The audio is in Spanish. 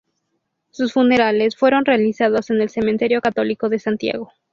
Sus funerales fueron realizados en el Cementerio Católico de Santiago.